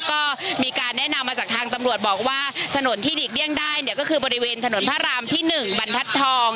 ก็มีการแนะนำมาจากทางตำรวจบอกว่าถนนที่หลีกเลี่ยงได้เนี่ยก็คือบริเวณถนนพระรามที่๑บรรทัศน์ทอง